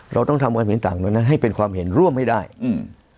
เราต้องทำความเห็นต่างตรงนั้นนะให้เป็นความเห็นร่วมให้ได้อืม